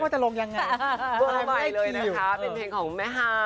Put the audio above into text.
เป็นเพลงของแม่ฮา